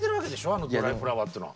あの「ドライフラワー」っていうのは。